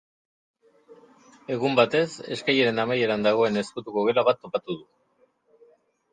Egun batez, eskaileren amaieran dagoen ezkutuko gela bat topatu du.